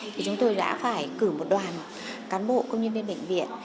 thì chúng tôi đã phải cử một đoàn cán bộ công nhân viên bệnh viện